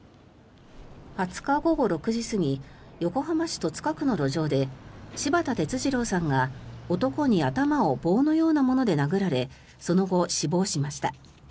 ２０日午後６時過ぎ横浜市戸塚区の路上で柴田哲二郎さんが男に頭を棒のようなもので殴られその後、死亡しました。